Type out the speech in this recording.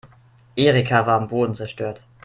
Erika war am Boden zerstört.